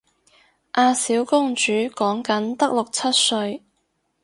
阿小公主講緊得六七歲